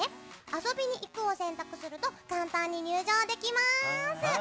遊びに行くを選択すると簡単に入場できます。